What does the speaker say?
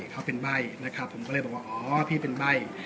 เขาเป็นใบ้นะครับผมก็เลยบอกว่าอ๋อพี่เป็นใบ้